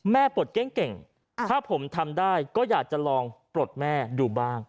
ปลดเก้งเก่งถ้าผมทำได้ก็อยากจะลองปลดแม่ดูบ้าง